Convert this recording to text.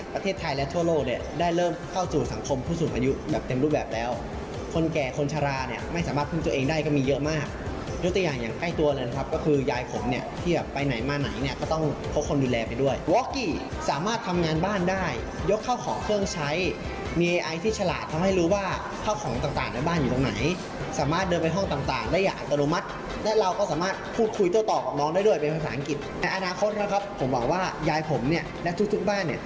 ผมหวังว่ายายผมและทุกบ้าน